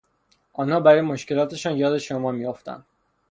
آنها برای مشکلاتشان یاد شما می افتند،